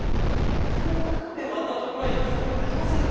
何故亀をあんな所へ行かせねばなりませぬか！